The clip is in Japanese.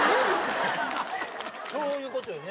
そういうことよね